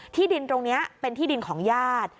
ที่ดินตรงนี้เป็นที่ดินของญาติ